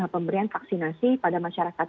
pemberian vaksinasi pada masyarakat